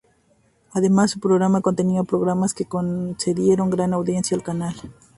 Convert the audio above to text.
Además, su programación contenía programas que concedieron gran audiencia al canal.